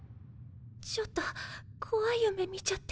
ちょっと怖い夢見ちゃって。